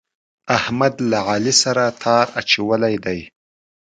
احمد له علي سره تار اچولی دی.